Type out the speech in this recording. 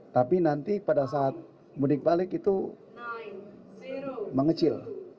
tapi nanti pada saat mudik balik itu mengecil